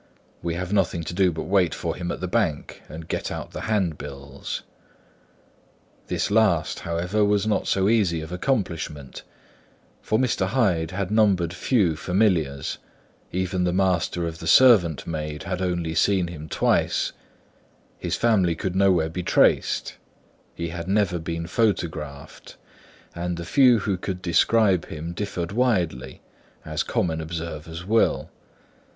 We have nothing to do but wait for him at the bank, and get out the handbills." This last, however, was not so easy of accomplishment; for Mr. Hyde had numbered few familiars—even the master of the servant maid had only seen him twice; his family could nowhere be traced; he had never been photographed; and the few who could describe him differed widely, as common observers will.